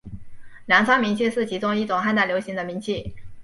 粮仓明器是其中一种汉代流行的明器。